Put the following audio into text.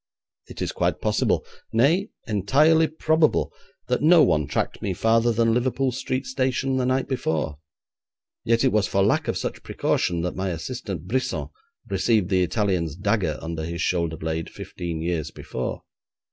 It is quite possible, nay, entirely probable, that no one tracked me farther than Liverpool Street Station the night before, yet it was for lack of such precaution that my assistant Brisson received the Italian's dagger under his shoulder blade fifteen years before.